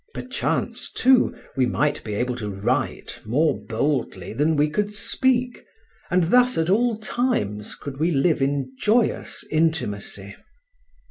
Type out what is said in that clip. Perchance, too, we might be able to write more boldly than we could speak, and thus at all times could we live in joyous intimacy.